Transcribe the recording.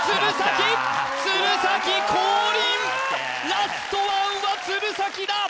ラストワンは鶴崎だ！